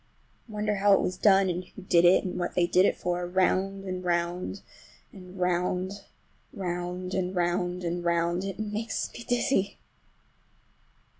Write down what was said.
I wonder how it was done and who did it, and what they did it for. Round and round and round—round and round and round—it makes me dizzy!